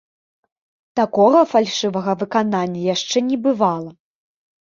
Такога фальшывага выканання яшчэ не бывала.